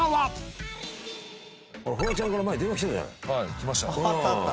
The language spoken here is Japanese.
きました。